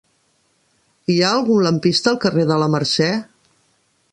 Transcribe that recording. Hi ha algun lampista al carrer de la Mercè?